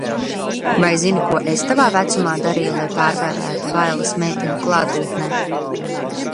Vai zini, ko es tavā vecumā darīju, lai pārvarētu bailes meiteņu klātbūtnē?